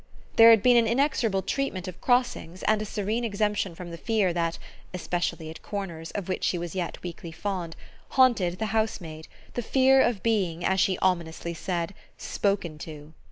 There had been an inexorable treatment of crossings and a serene exemption from the fear that especially at corners, of which she was yet weakly fond haunted the housemaid, the fear of being, as she ominously said, "spoken to."